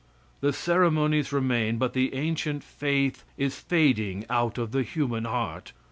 The ceremonies remain, but the ancient faith is fading out of the human heart.